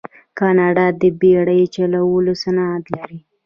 کاناډا د بیړۍ چلولو صنعت لري.